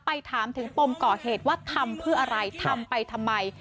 ถามถึงปมก่อเหตุว่าทำเพื่ออะไรทำไปทำไม